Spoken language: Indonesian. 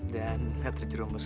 dan saya terjerumus